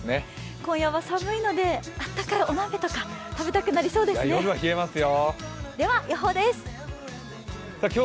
今夜は寒いので、温かいお鍋とか食べたくなりますね。